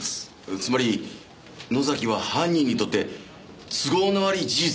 つまり野崎は犯人にとって都合の悪い事実をつかんでいた。